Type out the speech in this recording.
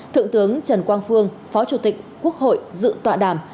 thượng tướng trần quang phương phó chủ tịch quốc hội dự tọa đàm